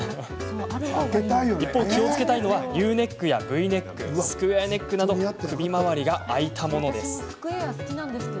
一方、気をつけたいのはＵネックやＶネックスクエアネックなど首まわりが開いたものです。